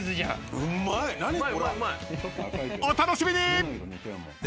［お楽しみに！］